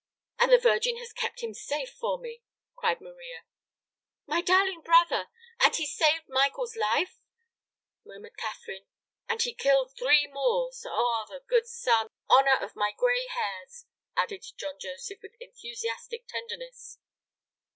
And the Virgin has kept him safe for me!" cried Maria. "My darling brother! And he saved Michael's life!" murmured Catherine. "And he killed three Moors! Ah, good son, honor of my gray hairs!" added John Joseph, with enthusiastic tenderness.